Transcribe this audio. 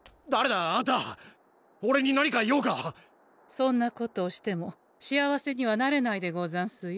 そんなことをしても幸せにはなれないでござんすよ。